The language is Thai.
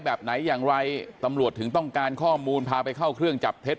แบบไหนอย่างไรตำรวจถึงต้องการข้อมูลพาไปเข้าเครื่องจับเท็จ